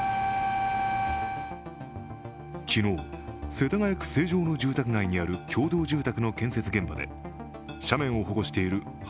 昨日、世田谷区成城の住宅街にある共同住宅の建設現場で斜面を保護している幅